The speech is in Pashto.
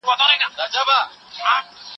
زه به اوږده موده کتابونه وړلي وم.